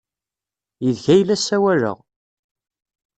Yid-k ay la ssawaleɣ!